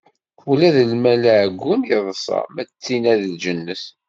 Ula d lmal aɛeggun yeḍṣa ma d tinna i d lǧennet.